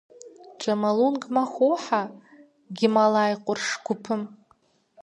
Джомолунгмэ хохьэ Гималай къурш гупым.